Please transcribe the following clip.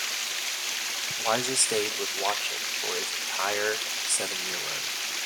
Liza stayed with Watching for its entire seven-year run.